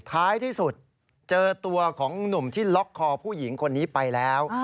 ท้ายที่สุดเจอตัวของหนุ่มที่ล็อกคอผู้หญิงคนนี้ไปแล้ว